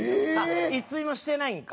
一睡もしてないんか。